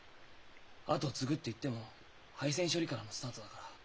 後継ぐって言っても敗戦処理からのスタートだから。